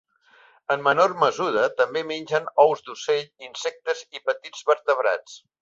En menor mesura, també mengen ous d'ocell, insectes i petits vertebrats.